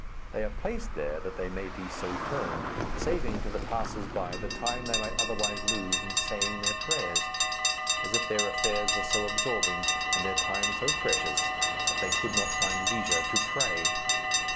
They are placed there that they may be so turned, saving to the passers by the time they might otherwise lose in saying their prayers as if their affairs were so absorbing, and their time so precious, that they could not find leisure to pray.